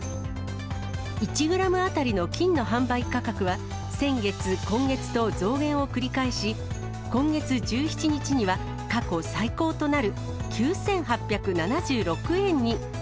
１グラム当たりの金の販売価格は、先月、今月と増減を繰り返し、今月１７日には過去最高となる９８７６円に。